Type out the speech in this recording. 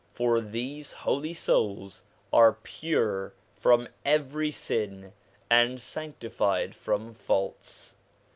For these Holy Souls are pure from every sin, and sancti fied from faults.